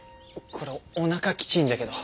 これおなかきちぃんじゃけど。